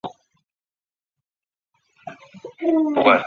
躲在河里的妇女被命令出来沿着河岸坐下。